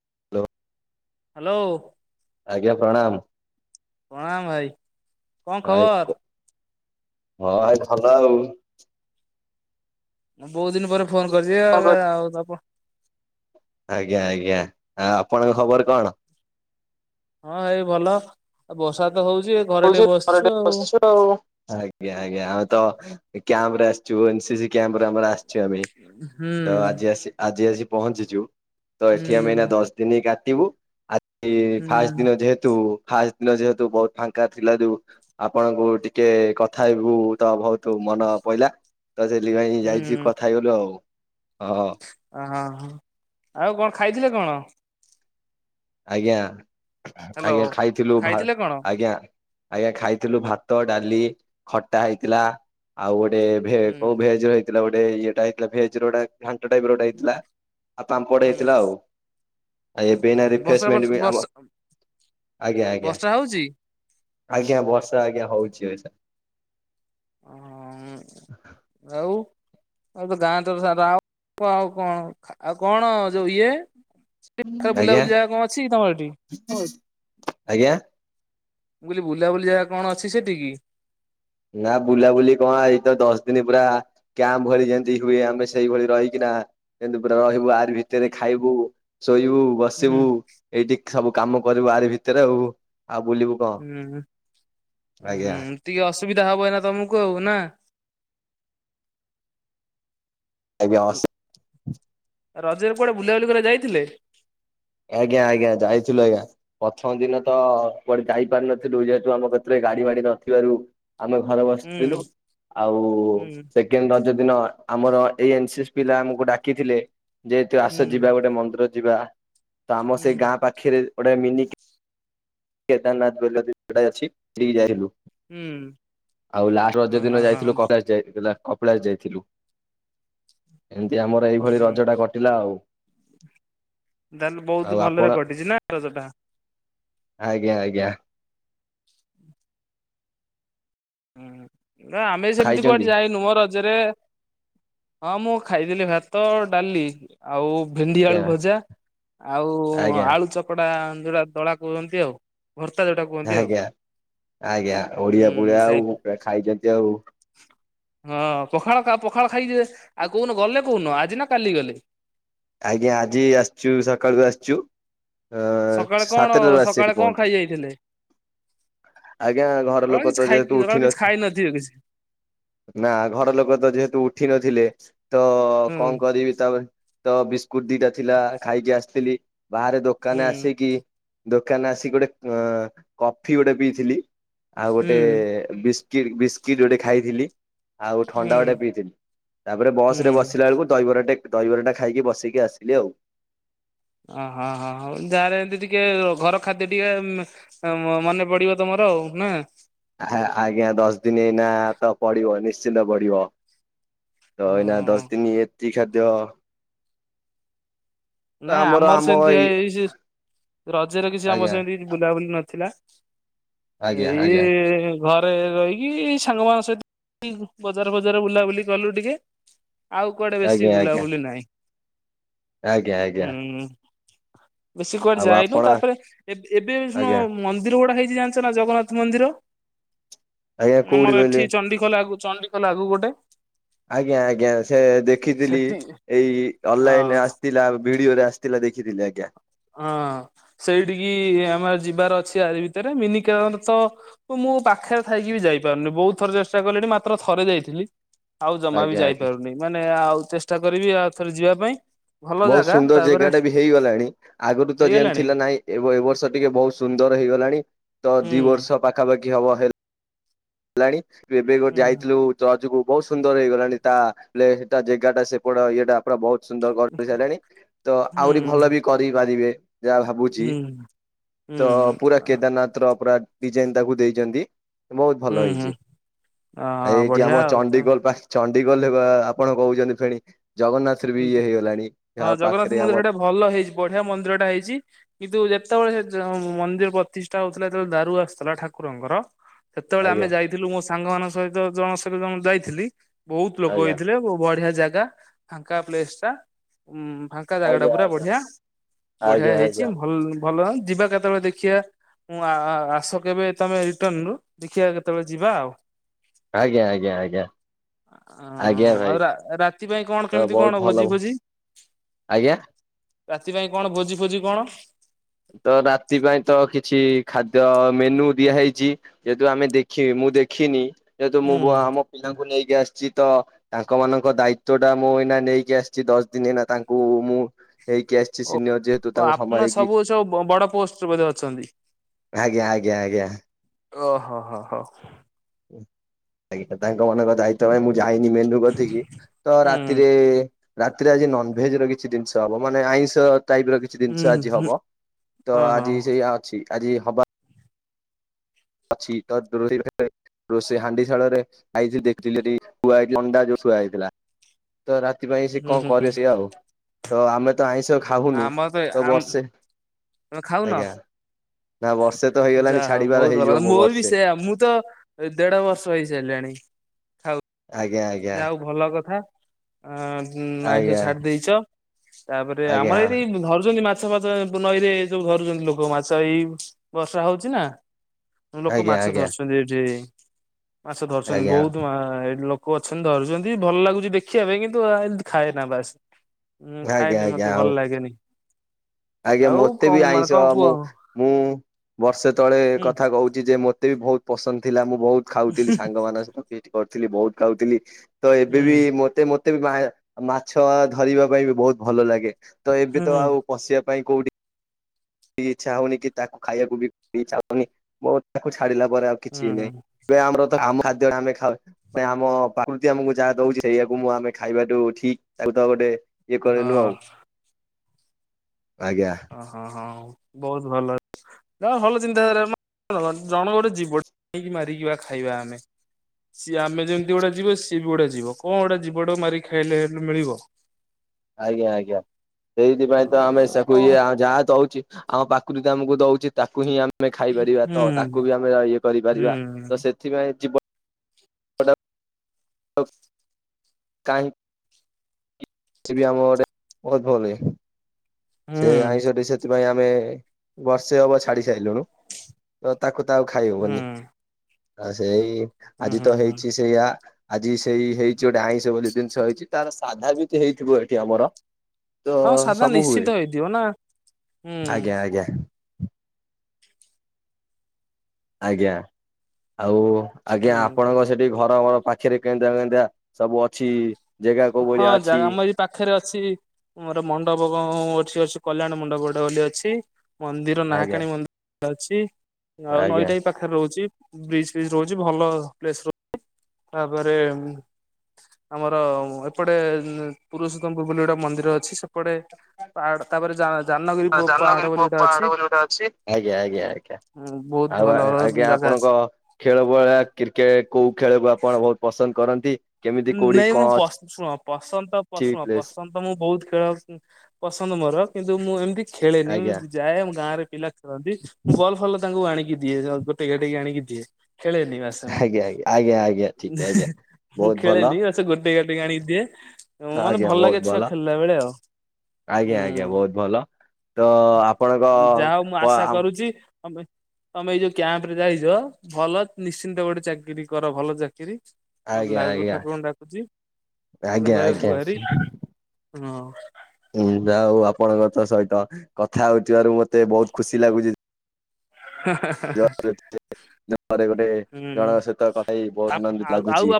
[unintelligible] Hello. ଆଜ୍ଞା ପ୍ରଣାମ। ପ୍ରଣାମ ଭାଇ କଁ ଭାଇ ଖବର। ହଁ ଭାଇ ଭଲ ଆଉ। ମୁଁ ବୋହୁତ ଦିନି ପରେ ଫୋନ କରିଚି [unintelligible] ଆଉ ଗପ ଆଜ୍ଞା ଆଜ୍ଞା ଆଉ ଆପଣଙ୍କ ଖବର କଣ। ହଁ ଏଇ ଭଲ ଆଉ ବର୍ଷା ତ ହଉଚି ଏ ହଉଛି [unintelligible] ବସିଛୁ ଆଉ। ଆଜ୍ଞା ଆଜ୍ଞା ଆମେ ତ ଏ କ୍ୟାମ୍ପରେ ଆସିଚୁ ଏନ୍ ସି ସି କ୍ୟାମ୍ପରେ ଆମର ଆସ୍ ଚୁ ଆମେ ହୁଁ ତ ଆଜି ଆସି ଆଜି ଆସି ପହଞ୍ଚିଚୁ ତ ହୁଁ ଏଠି ଆମେ ଏଇନା ଦଶ ଦିନି କାତିବୁ ଆ ଇ ହୁଁ ଫାଷ୍ ଦିନ ଯେହେତୁ ଫାଷ୍ ଦିନ ଯେହେତୁ ବହୁତ୍ ଫାଙ୍କା ଥିଲାରୁ ଆପଣଙ୍କୁ ଟିକେ କଥା ହେବୁ ତ ଭଉତ୍ ତୁ ମନ ପଇଲା ତ ସେଇଥିପାଇଁ ଯାଇଥିଲି ହୁଁ କଥା ହେଇଗଲୁ ଆଉ ହଁ। ଓହୋ ହଁ ଆଉ କଣ ଖାଇଥିଲେ କଣ? ଆଜ୍ଞା ହ୍ୟାଲୋ ଆଜ୍ଞା ଖାଇଥିଲୁ ଭା ଖାଇଥିଲେ କଣ ଆଜ୍ଞା। ଆଜ୍ଞା ଖାଇଥିଲୁ ଭାତ ଡାଲି ଖଟା ହେଇଥିଲା। ଆଉ ଗୋଟେ ଭେ ହୁଁ କୋଉ ଭେଜେରେ ହେଇଥିଲା ଗୋଟେ ଇଏଟା ହେଇଥିଲା ଭେଜର ଗୋଟା ଘାଣ୍ଟ ଟାଇପର ଗୋଟେ ହେଇଥିଲା ଆଉ ପାମ୍ପଡ ହୁଁ ହେଇଥିଲା ଆଉ ଏବେ ଏଇନା ରି ହୁଁ ବର୍ଷା ଥେଚମେଣ୍ଟ ବି ଆମ ବର୍ଷା ଆଜ୍ଞା ଆଜ୍ଞା। ବର୍ଷା ହଉଛି ଆଜ୍ଞା ବର୍ଷା ଆଜ୍ଞା ହଉଛି ବର୍ଷା। ଓହୋ ଉଁ ଆଉ ଆଉ ତ ଗାଁ ତର ସାରା ପ ଆଉ କଣ ଖା ଆଉ କଣ ଯୋଉ ଇଏ ଆଜ୍ଞା ବୁଲାବୁଲି ଜାଗା କଣ ଅଛି ତମର ଏଠି [unintelligible] ଆଜ୍ଞା। ମୁଁ କହିଲି ବୁଲାବୁଲି ଜାଗା କଣ ଅଛି ସେଠି କି? ନା ବୁଲାବୁଲି କଁ ଏଇ ତ ଦଶ ଦିନି ପୁରା କ୍ୟାମ୍ପ ଭଳି ଯେନ୍ତି ହୁଏ ଆମେ ସେଇଭଳି ରହିକିନା ଏନ୍ତି ପୁରା ରହିବୁ ଆରି ଭିତେରେ ଖାଇବୁ। ଶୋଇବୁ ହୁଁ ବସିବୁ ଏଇଠି ସବୁ କାମ କରିବୁ ଆରି ଭିତେରେ ଆଉ ଆଉ ବୁଲିବୁ କଣ ଉଁ ଆଜ୍ଞା। ହୁଁ ଟିକେ ଅସୁବିଧା ହବ ଏଇନା ତମୁକୁ ଆଉ ନା। ଆଜ୍ଞା ହାଲ୍ ଆଉ ରଜେରେ କୁଆଡେ ବୁଲାବୁଲି କରିଆକୁ ଯାଇଥିଲେ। ଆଜ୍ଞା ଆଜ୍ଞା ଯାଇଥିଲି ଆଜ୍ଞା। ପ୍ରଥମ ଦିନ ତ କୁଆଡେ ଯାଇପାରିନଥିଲୁ ଯେହେତୁ ଆମ କତିରେ ଗାଡି ଫାଡି ନଥିବାରୁ ଆମେ ଘରେ ହୁଁ ବସିଥିଲୁ ଆଉ ହୁଁ ସେ କେଣ୍ଡ ରଜଦିନ ଆମର ଏଇ ଏନ୍ ସି ସି ପିଲା ଆମୁକୁ ଡାକିଥିଲେ। ଯେହେତୁ ହୁଁ ଆସ ଯିବା ଗୋଟେ ମନ୍ଦିର ଯିବା ତ ଆମ ସେଇ ହୁଁ ଗାଁ ପା ଖେରେ ଗୋଟେ ମିନି କେଦାରନାଥ୍ ବେଲେ ବି ଗୋଟାଏ ଅଛି ସେଠିକୁ ଯାଇଥିଲୁ। ହୁଁ ଆଉ ଲାଷ୍ଟ୍ ହଁ ରଜଦିନ ହଁ ଯାଇଥିଲୁ ହଁ କାପିଳାସ କପିଳାସ ଯାଇଥିଲୁ। ଏମିତି ଆମର ଏଇଭଳି ହୁଁ। ରଜଟା କଟିଲା ଆଉ। ତାହେଲେ ବହୁତ୍ ଆଉ ଆପଣ ଭଲରେ କଟିଛି ନା ରଜଟା। ଆଜ୍ଞା ଆଜ୍ଞା। ହୁଁ ହୁଁ ଆମେ ସେମିତି ଖାଇଛନ୍ତି କୁଆଡ଼େ ଯାଇନୁ ମ ରଜରେ। ହଁ ମୁଁ ଖାଇଥିଲି ଭାତ ଡ଼ାଲି। ଆଉ ଭେଣ୍ଡି ଆଜ୍ଞା ଆଳୁ ଭଜା ଆଉ ଆଜ୍ଞା ଆଳୁ ଚକ ଚ଼କଡା ଯୋରା ଦଳା କୁହନ୍ତି ଆଉ। ଭର୍ତ୍ତା ଯୋଉଟା କୁ ଆଜ୍ଞା ଆଜ୍ଞା ଓଡ଼ିଆ ହୁଁ ଉଳିଆ ଖାଇ ଆଉ ଖାଇଛନ୍ତି ଆଉ। ହଁ ପଖାଳ ପଖାଳ ଖାଇଯିବେ ଆଉ କୋଉଦିନ ଗଲେ କୋଉଦିନ ଆଜି ନା କାଲି ଗଲେ? ଆଜ୍ଞା ଆଜି ଆସିଛୁ ସକାଳୁ ଆସିଛୁ। ସକାଳେ ଅଁ କଣ ସାତଟାରୁ ଆସି ଏଠି ସକାଳେ କଣ ଖାଇ ପହଞ୍ଚିଲୁ। ଯାଇଥିଲେ? ଆଜ୍ଞା ସକାଳେ ଘରଲୋକ କିଛି ତ ଖାଇକି ଯେହେତୁ ସକାଳେ ଉଠି କିଛି ନଥି ଖାଇ ନଥିବେ କିଛି ନା ଘର ଲୋକତ ଯେହେତୁ ଉଠି ନଥିଲେ ତ ହୁଁ କଣ କରିବି ତାପରେ ତ ବିସ୍କୁଟ ଦିଟା ଥିଲା ଖାଇକି ଆସିଥିଲି ବାହାରେ ହୁଁ ଦୋକାନ ଆସିକି ଦୋକାନ ଆସିକି ଗୋଟେ ଅଁ କଫି ଗୋଟେ ପିଇଥିଲି ଆଉ ହୁଁ ଗୋଟେ ବିସ୍କିଟ୍ ବିସ୍କିଟ୍ ଗୋଟେ ଖାଇଥିଲି। ଆଉ ଥଣ୍ଡା ହୁଁ ଗୋଟେ ପିଇଥିଲି ତାପରେ ବସ୍ ରେ ହୁଁ ବସିଲା ବେଳକୁ ଦହିବରାଟେ ଦହିବରା ଟା ଖାଇକି ବସିକି ଆସିଲି ଆଉ। ଓ ହଁ ହଁ ହଉ ଯାହାହେଲେ ଏମିତି ଟିକେ ଘର ଖାଦ୍ୟ ଟିକେ ମ ମନେ ପଡ଼ିବ ତମର ଆଉ ନାଁ? ଆ ଆଜ୍ଞା ଦଶଦିନ ଏଇନା ତ ପଢିବ ନିଶ୍ଚିନ୍ତ ପଡ଼ିବ। ତ ଏଇନା ହଁ ଦଶଦିନି ଏମିତି ଖାଦ୍ୟ ତ ନାଇଁ ଆମର ଆମ ସେମିତି ଏଇ ଭାଇ ରଜରେ କିଛି ଆମର ଆଜ୍ଞା ସେମିତି ବୁଲାବୁଲି ନଥିଲା ଆଜ୍ଞା ଏଇ ଆଜ୍ଞା ଘରେ ରହିକି ସାଙ୍ଗମାନଙ୍କ ସହିତ ବଜାର ଫଜାର ବୁଲାବୁଲି କଲୁ ଟିକେ। ଆଉ କୁଆଡ଼େ ବେଶୀ ଆଜ୍ଞା ଆଜ୍ଞା ବୁଲାବୁଲି ନାହିଁ। ଆଜ୍ଞା ଆଜ୍ଞା। ହୁଁ ବେଶୀ କୁଆଡ଼େ ଆଉ ଯାଇନୁ ଆପଣ ତାପରେ ଏବେ ଏବେ ଆଜ୍ଞା [unintelligible] ମନ୍ଦିର ଗୁଡ଼ା ହେଇଛି ଜାଣିଛ ନା ଜଗନ୍ନାଥ ମନ୍ଦିର ଆଜ୍ଞା କୋଉଠି ଆମର କହିଲେ ଏଠି ଚଣ୍ଡିଖୋଲ ଆଗକୁ। ଚଣ୍ଡିଖୋଲ ଆଗକୁ ଗୋଟେ। ଆଜ୍ଞା ଆଜ୍ଞା ସେ ଦେଖିଥିଲି ସେଠି ଏଇ ଅନଲାଇନ୍ ରେ ହଁ ଆସିଥିଲା ଭିଡ଼ିଓ ରେ ଆସି ଆସିଥିଲା ଦେଖିଥିଲି ଆଜ୍ଞା। ହଁ ସେଇଠିକି ଆମର ଯିବାର ଅଛି ଆରି ଭିତରେ ମିନି କେଦାରନାଥ ମୁଁ ପାଖରେ ଥାଇକି ବି ଯାଇପାରୁନି ବହୁତ୍ ଥର ଚେଷ୍ଟା କଲିଣି ମାତ୍ର ଥରେ ଯାଇଥିଲି। ଆଉ ଜମା ବି ଆଜ୍ଞା ଆଜ୍ଞା ଯାଇପାରୁନି ମାନେ ଆଉ ଚେଷ୍ଟା କରିବି ଆଉଥରେ ଯିବାପାଇଁ। ଭଲ ବହୁତ ଜାଗା ସୁନ୍ଦର ତାପରେ ଜାଗାଟା ବି ହେଇଗଲାଣି। ଆଗରୁ ତ ଯେମତି ହେଇଗଲାଣି ଥିଲା ନାଇଁ ଏ ଏ ବର୍ଷ ଟିକେ ବହୁତ୍ ସୁନ୍ଦର ହେଇଗଲାଣି ତ ଦି ହୁଁ ବର୍ଷ ପାଖାପାଖି ହବ ହେ ହେଲାଣି ଏବେ ହୁଁ ଯାଇଥିଲୁ ଜଜ କୁ ବହୁତ୍ ସୁନ୍ଦର ହେଇଗଲାଣି ତା ସେଟା ଜାଗା ଟା ସେଟା ଇଏଟା ପୁରା ବହୁତ୍ ସୁନ୍ଦର କରି ସାରିଲାଣି ତ ହୁଁ ଆହୁରି ଭଲ ବି କରିପାରିବେ। ଯାହା ଭାବୁଛି ହୁଁ ତ ହୁଁ ପୁରା କେଦାରନାଥ ର ପୁରା ଡିଜାଇନ୍ ତାକୁ ଦେଇଛନ୍ତି। ବୋହୁତ ଭଲ ହୁଁ ହୁଁ ହେଇଛି ଅ ଏଇଠି ବଢିଆ ଆମ ଆଉ ତ ଚଡ଼ିଖୋଲ ପା ଚଣ୍ଡିଖୋଲ ବା ଆପଣ କହୁଛନ୍ତି ଫେଣି ଜଗନ୍ନାଥ ରେ ବି ଇଏ ହେଇଗଲାଣି। ହଁ ଆଉ ପାଖରେ ଜଗନ୍ନାଥ ଆମର ମନ୍ଦିରଟା ଭଲ ହେଇଚି ବଢିଆ ମନ୍ଦିରଟା ହେଇଚି। କିନ୍ତୁ ଯେତେବେଳେ ସେ ମନ୍ଦିର ପ୍ରତିଷ୍ଠା ହୋଉଥିଲା ଯେତେବେଳେ ଦାରୁ ଆସିୁଥିଲା ଠାକୁରଙ୍କର ସେତେବେଳେ ଆମେ ଆଜ୍ଞା ଯାଇଥିଲୁ ମୋ ସାଙ୍ଗ ମାନଙ୍କ ସହିତ ଜଣ ସହିତ ଜଣ ଯାଇଥିଲି ବୋହୁତ ଲୋକ ଆଜ୍ଞା ହେଇଥିଲେ ବ ବଢିଆ ଜାଗା ଫାଙ୍କା ପ୍ଲେସ ଟା ଉଁ ଫା ଫାଙ୍କା ଜାଗା ଟା ଆଜ୍ଞା ପୁରା ଆଜ୍ଞା। ବଢିଆ ବଢିଆ ଆଜ୍ଞା ଆଜ୍ଞା ହେଇଛି ଭଲ ଭଲ ଯିବା କେତେବେଳେ ଦେଖିବା। ମୁଁ ଆସ କେବେ ତମେ ରିଟର୍ଣ ରୁ ଦେଖିବା କେତେବେଳେ ଯିବା ଆଉ। ଆଜ୍ଞା ଆଜ୍ଞା ଆଜ୍ଞା ଆଜ୍ଞା ହ ଆଉ ଭାଇ ରାତି ପାଇଁ କଣ ତ କେମିତି ବହୁତ କଣ ଭଲ ଭୋଜି ଭୋଜି ଆଜ୍ଞା। ରାତି ପାଇଁ କଣ ଭୋଜି ଫୋଜି କଣ? ତ ରାତି ପାଇଁ ତ କିଛି ଖାଦ୍ୟ ମେନୁ ଦିଆ ହେଇଚି। ଯେହେତୁ ଆମେ ଦେଖ ମୁଁ ଦେଖିନି ଯେହେତୁ ମୁଁ ହୁଁ ଆମ ପିଲାଙ୍କୁ ନେଇକି ଆସିଛି ତ ତାଙ୍କ ମାନଙ୍କ ଦାୟିତ୍ଵ ଟା ମୁଁ ଏଇନା ନେଇକି ଆସିଛି ଦଶ ଦିନ ହେନା ତାଙ୍କୁ ମୁଁ ହେଇକି ଆସିଛି ଓ ସିନିଅ ଯ ଯେହେତୁ ଓ ତାଙ୍କୁ ଆପଣ ସମ୍ଭାଳିକି ସବୁ ସବୁ ବଡ ପୋଷ୍ଟରେ ବୋଧେ ଅଛନ୍ତି? ଆଜ୍ଞା ଆଜ୍ଞା ଆଜ୍ଞା ଓ ହୋ ହ ହ। ଆଜ୍ଞା ତାଙ୍କ ମାନଙ୍କ ଦାୟିତ୍ଵ ପାଇଁ ମୁଁ ଯାଇନି ମେନୁ କତିକି ତ ହୁଁ। ରାତିରେ ରାତିରେ ଆଜି ନନଭେଜ ର କିଛି ଜିନିଷ ହବ ମାନେ ଆଇଁଷ ଟାଇପ ର କିଛି କିଛି ଜିନିଷ ହୁଁ ଆଜି ହୁଁ। ହବ ତ ହଁ ହଁ ଆଜି ସେଇଆ ଅଛି ଆଜି ହବା ଆଛି ତ ଦୂରରେ ରୋଷେଇ ହାଣ୍ଡି ଶାଳ ରେ ଆଇଥିଲି ଦେଖଥିଲି ହେଠୀ ଅଣ୍ଡା ଯୋଉ ଛୁଆ ହେଇଥିଲା। ତ ରାତି ପାଇଁ ସେ ହୁଁ କଣ ହୁଁ ହୁଁ କରିବେ ସିଏ ଆଉ ତ ଆମେ ତ ଆଇଁଷ ଖାଉନୁ ଆମର ତ ଆମ ବର୍ଷେ ତମେ ଖାଉନ ଆଜ୍ଞା ନା ବର୍ଷେ ତ ହେଇଗଲାଣି ଯାହା ହୋଉ ଛାଡିବାର ବୋହୁତ ହେଇଯିବ ଭଲ ମୋ ମୋର ବି ବର୍ଷେ ସେୟା ମୁଁ ତ ଏ ଦେଢ ବର୍ଷ ହେଇସାରିଲାଣି। ଖାଉ ଆଜ୍ଞା ଆଜ୍ଞା। ଯାହା ହଉ ଭଲ କଥା। ଅ ମାଇଁଷ ଆଜ୍ଞା ଛାଡି ଦେଇଛ ତାପରେ ଆଜ୍ଞା ଆମର ଏଇଠି ଧରୁଛନ୍ତି ମାଛ ମାଛ ଫାଛ ନଈରେ ସବୁ ଧରୁଛନ୍ତି ଲୋକ ମାଛ ଏଇ ବର୍ଷା ହୋଉଛି ନା ଲୋକ ଆଜ୍ଞା ଆଜ୍ଞା ଆଜ୍ଞା ମାଛ ଧରୁଛନ୍ତି ଏଠି ମାଛ ଧରୁଛନ୍ତି ଆଜ୍ଞା ବୋହୁତ ଏଠି ଲୋ କ ଅଛନ୍ତି ଧରୁଛନ୍ତି ଭଲ ଲାଗୁଛି ଦେଖିବା ପାଇଁ କିନ୍ତୁ ଏମିତି ଖାଏ ନା ବାସ। ମୁଁ ଆଜ୍ଞା ଖାଇଏନି ଆଜ୍ଞା ମତେ ଆଉ ଭଲ ଲାଗେନି। ଆଜ୍ଞା ଆଉ ମତେ କଣ ବି ମାନେ ଆଇଁଷ କଣ ମୁଁ କୁହ? ମୁଁ ବର୍ଷେ ତଳେ ହୁଁ କଥା କୋହୁଚୀ ଯେ ମତେ ବି ବୋହୁତ ପସନ୍ଦ ଥିଲା ମୁଁ ବୋହୁତ ଖାଉଥିଲି ସାଙ୍ଗ ମାନଙ୍କ ସହିତ ବି ଏଠି କରିଥିଲି ବୋହୁତ ଖାଉଥିଲି। ତ ଏବେ ବି ହୁଁ ମତେ ମତେ ବି ମାଛ ଧରିବା ପାଇଁ ବି ବୋହୁତ ଭଲ ଲାଗେ। ତ ଏବେ ହୁଁ ତ ଆଉ ପଶିବା ପାଇଁ କୋଉଠି ଟିକେ ଇଛା ହୋଉନି କି ତାକୁ ଖାଇବାକୁ ବି ଚାହୁନି ମ ତାକୁ ଛାଡ଼ିଲା ପରେ କିଛି ବି ନାଇଁ ହୁଁ ଏ ଆମର ଆମ ଖାଦ୍ୟା ଆମେ ଖାଉଚୁ। ଭାଇ ଆମ ପ୍ରକୃତି ଆମକୁ ଯାହା ଦୋଉଛି ସେଇଆକୁ ମୁଁ ଆମେ ଖାଇବାଠୁ ଠିକ୍ ତାକୁ ତ ଗୋଟେ ଇଏ ହଁ କରିଦେନୁ ଆଉ ଆଜ୍ଞା। ଓ ହଁ ହଁ ବୋହୁତ ଭଲ ଅଛି। ଯାହୋଉ ଭଲ ଚିନ୍ତାଧାରା ଜଣକୁ ଗୋଟେ ଜୀବକୁ ମାରିକି ଖାଇବା ଆମେ ସିଏ ଆମେ ଯେମିତି ଗୋଟେ ଯିବ ସିଏ ବି ଗୋଟେ ଯିବ କଣ ଗୋଟେ ଯିବଟାକୁ ମାରି ଖାଇଲେ ହେଲେ ମିଳିବ। ଆଜ୍ଞା ଆଜ୍ଞା ସେଇଥି ପାଇଁ ତ ଆମେ କଣ ଶଖୁଆ ଯାହା ଦଉଛି ଆମ ପାକୃତି ଆମକୁ ଦଉଚି ତାକୁ ହିଁ ଆମ ଆମେ ଖାଇପାରିବା ହୁଁ ତ ହୁଁ ତାକୁ ବି ଆମେ ଆ ଇଏ ହୁଁ କରିପାରିବା ତ ସେ ଏଥିପାଇଁ [inaudible] କାଇଁ ବି ଆମ ଗଟେ ବହୁତ [unintelligible] ହୁଁ ସେ ଆଇଁଷଟି ସେଥିପାଇଁ ଆମେ ବର୍ଷେ ହବ ଛାଡି ସାଇଲୁଣି ତ ତାକୁ ତ ଆଉ ହୁଁ ଖାଇହବନି। ଆ ସେଇ ଆଜି ହୁଁ ତ ହୁଁ। ହେଇଚି ସେଇଆ ଆଜି ସେଇ ହେଇଛି ଗୋଟେ ଆଇଁଷ ବୋଲି ଜିନିଷ ହେଇଛି ତାର ସାଧା ବି ତ ହେଇଥିବ ଏଠି ଆମର। ତ ହଁ ସାଧା ସବୁ ହୁଏ ନିଶ୍ଚିନ୍ତ ହେଇଥିବ ନା। ଆଜ୍ଞା ହୁଁ ଆଜ୍ଞା। ଆଜ୍ଞା ଆଉ ଆଜ୍ଞା ହୁଁ ଆପଣଙ୍କ ସେଠି ଘର ଘର ପାଖେରେ [unintelligible] ସବୁ ଅଛି। ଜାଗା କୋଉ ହଁ ଭଳିଆ ଅଛି ଜାଗା ମରି ପାଖେରେ ଅଛି ମୋର ମଣ୍ଡପ କଣ ଅଛି ଅଛି କଲ୍ୟାଣ ମଣ୍ଡପ ଗୋଟୋ ବୋଲି ଅଛି। ମନ୍ଦିର ଆଜ୍ଞା ନାହାକାଣୀ ମ [inaudible] ଅଛି ଆଉ ଆଜ୍ଞା। ନଈଟା ପାଖ ପାଖରେ ରହୁଛି ବ୍ରିଜ ଫିଜ ରହୁଛି ଭଲ ପ୍ଲେସ [inaudible] ତାପରେ ଆମର ଏପଟେ ପୁରୁଷୋତ୍ତମପୁରୁ ବୋଲି ଗୋଟେ ମନ୍ଦିର ଅଛି ସେପଟେ ପାହାଡ଼ ତାପରେ ଯାହା ଜାଲଗିରି ପ ପାହାଡ଼ ବୋଲି ଗୋଟେ ଅଛି ଆଜ୍ଞା ଆଜ୍ଞା ଆଜ୍ଞା। ବହୁତ ଆଉ ଭଲ ଆ ଭଲ ଆଜ୍ଞା ଜାଗା ଅଛି। ଆପଣଙ୍କ ଖେଳ ଭଳିଆ କ୍ରିକେଟ କୋଉ ଖେଳକୁ ଆପଣ ବହୁତ ପସନ୍ଦ କରନ୍ତି? କେମିତି କୋଉଠି ନାଇଁ ମୁଁ କଣ ପ ଶୁଣ ପସନ୍ଦ ଅଛି ଶୁଣ ପ୍ଲେସ? ପସନ୍ଦ ତ ମୁଁ ବହୁତ ଖେଳ ପସନ୍ଦ ମୋର କିନ୍ତୁ ମୁଁ ଏମିତି ଖେଳେନି ଆଜ୍ଞା ଯାଏ ମୁଁ ଗାଁରେ ପିଲା ଖେଳନ୍ତି ମୁଁ ବଲ ଫଲ୍ ତାଙ୍କୁ ଆଣିକି [unintelligible] ଟିକେ ଟିକେ ଆଣିକି ଦିଏ ଖେଳେନି ମାସେ ମୁଁ ଆଜ୍ଞା ଆଜ୍ଞା ଆଜ୍ଞା ଆଜ୍ଞା ଠିକ ଆଜ୍ଞା। ମୁଁ ବହୁତ ଭଲ ଖେଳେନି ବାସ ଗୋଟେଇ ଗାଟେଇ ଆଣିକି ଦିଏ ମାନେ ଆଜ୍ଞା ଭଲ ବହୁତ ଲାଗେ ଛୁଆ ଖେଳିଲା ବେଳେ ଆଉ। ଆଜ୍ଞା ଆଜ୍ଞା ହୁଁ ବହୁତ ଭଲ। ତ ଆପଣଙ୍କ ଯା ହଉ ମୁଁ ଆଶା କରୁଚି। ହଁ ଭାଇ ତମେ ଏଇ ଯୋଉ କ୍ୟାମ୍ପ ରେ ଯାଇଚ ଭଲ ନିଶ୍ଚିନ୍ତ ଗୋଟେ ଚାକିରି କର ଭଲ ଚାକିରି। ମତେ ଆଜ୍ଞା, ଲାଗୁ ଆ ଠାକୁରଙ୍କୁ ଡାକୁଚି ଠାକୁରଙ୍କ ପାଖରେ ଆଜ୍ଞା। ଗୁହାରି ହଁ ହୁଁ ଯା ହଉ ଆପଣଙ୍କ ତ ସହିତ କଥା ହଉଥିବାରୁ ମତେ ବହୁତ ଖୁସି ଲାଗୁଯି। ହାଁ ହାଁ। [inaudible] [inaudible] ପରେ ଗୋଟେ ହୁଁ ଜଣଙ୍କ ସହିତ କଥା ହେଇ ଆ ବହୁ ଆନନ୍ଦ ଲାଗୁଛି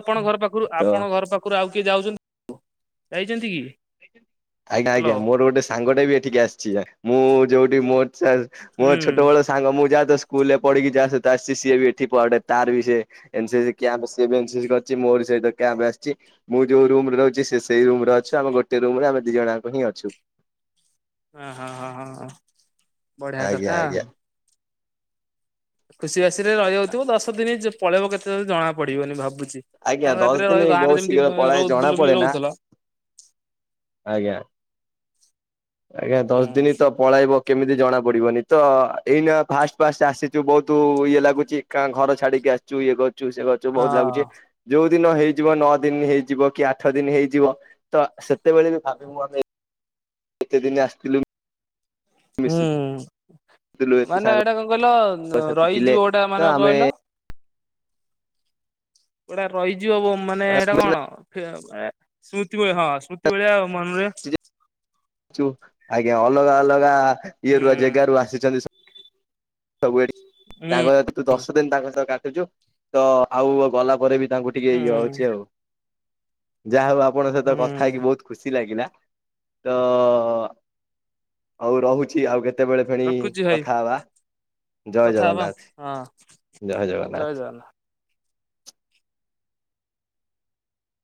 ତ ଉପର ଆଉ କିଏ ଯାଉ ଯାଇଛନ୍ତି କି? ଆଜ୍ଞା ଆଜ୍ଞା ହ୍ୟାଲୋ ମୋର ଗୋଟେ ସାଙ୍ଗଟେ ବି ଏଠିକି ଆସିଚି ମୁଁ ଯୋଉଠି ମୋର ଚା ମୋ ହୁଁ ଛୋଟ ବେଳ ସାଙ୍ଗ ମୁଁ ଯା [unintelligible] ସ୍କୁଲ ରେ ପଢିକି ଯା ଆସି ସିଏ ବି ଏଠି ପଢେ ତାର ବି ସେ ଏନ୍ ସି ସି କ୍ୟାମ୍ପ ସିଏ ବି ଏନ୍ ସି ସି କରିଚି ମୋରି ସହିତ କ୍ୟାମ୍ପ ଆସିଚି। ମୁଁ ଯୋଉ ରୁମରେ ରହୁଚି ସେ ସେଇ ରୁମରେ ଅଛ ଆମ ଗୋଟେ ରୁମରେ ଆମେ ଦି ଜଣଯାଙ୍କ ହିଁ ଅଛୁ। ହଁ, ହଁ, ହଁ ବଢିଆ ଆଜ୍ଞା କଥା। ଆଜ୍ଞା ଖୁସି ବାସିରେ ରହିିଯାଉଥିବ ଦଶ ଦିନି ପଳେଇବ କେତେ ବେଳେ ଜଣା ପଡିବନି ଭାବୁଛି। ଆଜ୍ଞା ସାଙ୍ଗ ଦଶ ସାଥିରେ ଦିନ ରହି ଗାଁରେ ବହୁତ ଯେମିତି ଶୀଘ୍ର ପଳାଏ ରହୁ ଜଣା ବୁଲି ବୁଲି ପଡେ ନା ରହୁଥିଲ ଆଜ୍ଞା। ଆଜ୍ଞା ଦଶ ଦିନି ହୁଁ ତ ପଳାଇବ କେମିତି ଜଣା ପଡ଼ିବନି ତ ଏଇନା ଫାଷ୍ଟ ଫାଷ୍ଟ ଆସିଚୁ ବହୁତ ଇଏ ଲାଗୁଚି। କାଁ ଘର ଛାଡିକି ଆସିଚୁ ଇଏ କରୁଚୁ ସେ କରୁଚୁ ହଁ ବହୁତ ଲାଗୁଚେ। ଯୋଉ ଦିନ ହେଇଯିବ ନଅ ଦିନ ହେଇଯିବ କି ଆଠ ଦିନି ହେଇଯିବ ତ ସେତେବେଳେ ବି ଭାବି ଆମେ କେତେ ଦିନି ଆସିଥିଲୁ? ହୁଁ ମିଶୁଥିଲୁ ଏତେ ମାନେ ଏଇଟା କଣ କହିଲ ସାଙ୍ଗସାଥି ଥିଲେ ରହିଯିବ ଗୋଟା ତ ମାନେ କଣ ଆମେ କହିଲ ଗୋଟା ରହିଯିବ ବୁ ମାନେ ହେଟା କଣ [unintelligible] ସ୍ମୃତି ଭଳିଆ ହଁ ସ୍ମୃତି ଭଳିଆ ମନରେ ଯୋଉ ଆଜ୍ଞା, ଅଲଗା ଅଲଗା ହୁଁ ଇଏରୁ ଆ ଜାଗାରୁ ଆସିଛନ୍ତି ସବୁ ହୁଁ ତାଙ୍କ ସହିତ ତୁ ଦଶ ଦିନ ତାଙ୍କ ସହ କାଟୁଛୁ ତ ଆଉ ଗଲା ପରେ ବି ତାଙ୍କୁ ଟିକେ ଇଏ ହୁଁ ହଉଛି ଆଉ। ଯାହା ହଉ ଆପଙ୍କ ସହିତ ହୁଁ କଥା ହେଇକି ବହୁତ ଖୁସି ଲାଗିଲା। ତ ଆଉ ରହୁଛି ଆଉ କେତେବେଳେ ଫେଣି ରଖୁଛି ଭାଇ। କଥା ହବା। ଜୟ କଥା ହବା ଜଗନ୍ନାଥ, ହଁ ଜୟ ଜଗନ୍ନାଥ।